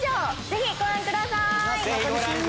ぜひご覧ください！